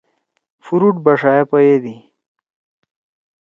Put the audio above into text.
فروٹ بݜا ئے پیَدی۔